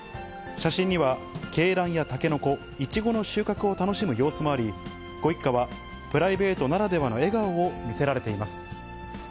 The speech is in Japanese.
写真には、鶏卵やタケノコ、イチゴの収穫を楽しむ様子もあり、ご一家は、プライベートならではの笑顔を見せられています。